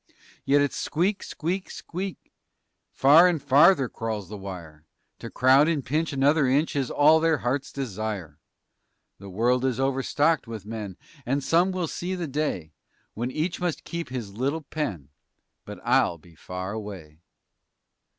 Yet it's squeak! squeak! squeak! Far and farther crawls the wire. To crowd and pinch another inch Is all their heart's desire. The world is overstocked with men And some will see the day When each must keep his little pen, _But I'll be far away.